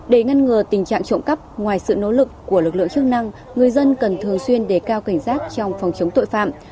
để ngăn ngừa tình trạng trộm cắp ngoài sự nỗ lực của lực lượng chức năng người dân cần thường xuyên đề cao cảnh giác trong phòng chống tội phạm